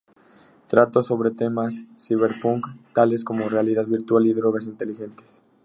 Trató sobre temas cyberpunk tales como realidad virtual y drogas inteligentes.